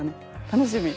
楽しみ。